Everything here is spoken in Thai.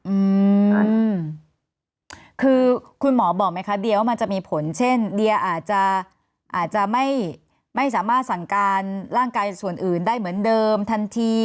อืมคือคุณหมอบอกไหมคะเดียว่ามันจะมีผลเช่นเดียอาจจะอาจจะไม่ไม่สามารถสั่งการร่างกายส่วนอื่นได้เหมือนเดิมทันที